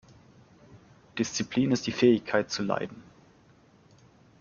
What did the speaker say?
Disziplin ist die Fähigkeit zu leiden.